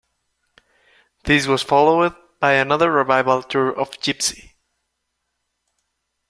This was followed by another revival tour of "Gypsy".